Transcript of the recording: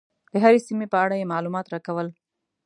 د هرې سیمې په اړه یې معلومات راکول.